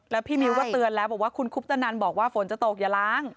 แล้วพี่มิ้วก็เตือนแล้วบอกว่าคุณคุปตนันบอกว่าฝนจะตกอย่าล้าง